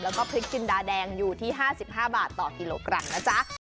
แล้วก็พริกจินดาแดงอยู่ที่๕๕บาทต่อกิโลกรัมนะจ๊ะ